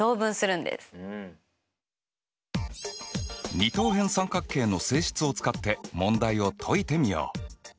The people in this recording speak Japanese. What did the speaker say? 二等辺三角形の性質を使って問題を解いてみよう！